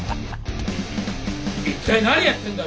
一体何やってんだ！